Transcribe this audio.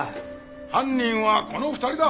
犯人はこの２人だ。